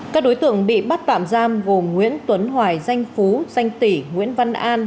các đối tượng bị bắt tạm giam gồm nguyễn tuấn hoài danh phú danh tỷ nguyễn văn an